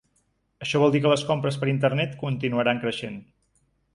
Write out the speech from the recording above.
Això vol dir que les compres per internet continuaran creixent.